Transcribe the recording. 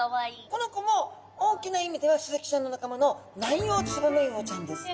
この子も大きな意味ではスズキちゃんの仲間のナンヨウツバメウオちゃんです。